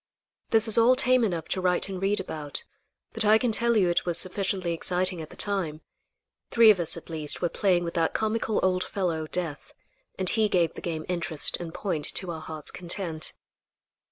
This is all tame enough to write and read about, but I can tell you it was sufficiently exciting at the time. Three of us at least were playing with that comical old fellow, Death, and he gave the game interest and point to our hearts' content.